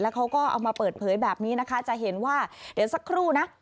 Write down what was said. เขาก็เอามาเปิดเผยแบบนี้นะคะจะเห็นว่าเดี๋ยวสักครู่นะ